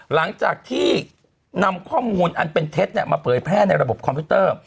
หลังจากที่นำข้อมูลอันเป็นเท็จมาเผยแพร่ในระบบคอมพิวเตอร์